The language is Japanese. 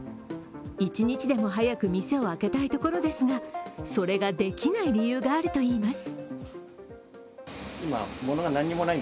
一日でも早く店を開けたいところですがそれができない理由があるといいます。